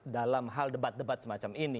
dalam hal debat debat semacam ini